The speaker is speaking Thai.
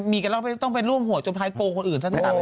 มีกันแล้วต้องไปร่วมหัวจนท้ายโกงคนอื่นถ้าที่ต่าง